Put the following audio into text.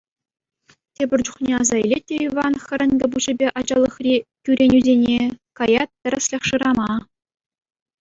Тепӗр чухне аса илет те Иван хӗрӗнкӗ пуҫӗпе ачалӑхри кӳренӳсене, каять тӗрӗслӗх шырама.